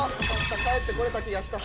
帰って来れた気がした。